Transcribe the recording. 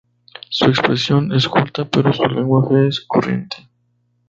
Su expresión es culta, pero su lenguaje es corriente.